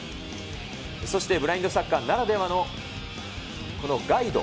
そして、ブラインドサッカーならではのこのガイド。